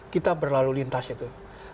kita berlalu lintas itu